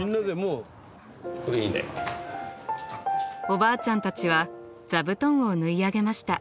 おばあちゃんたちは座布団を縫い上げました。